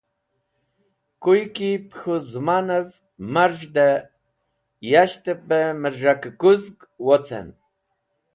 Kuy ki pẽ k̃hũ zẽmanẽv marẽz̃hdẽ yashtẽb bẽ mẽz̃hakẽ kũzg wozẽn.